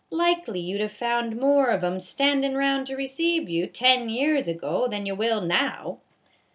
Likely you 'd have found more of 'em standin' around to receive you ten years ago than you will now."